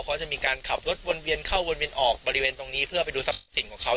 เขาจะมีการขับรถวนเวียนเข้าวนเวียนออกบริเวณตรงนี้เพื่อไปดูทรัพย์สินของเขา